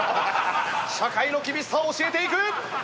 社会の厳しさを教えていく！